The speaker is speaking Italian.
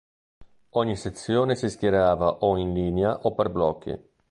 Ogni sezione si schierava o in linea o per blocchi.